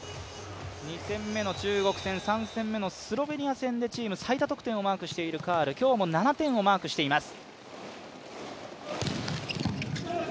２戦目の中国戦、３戦目のスロベニア戦でチーム最多得点をマークしているカール、今日も７点をマークしています。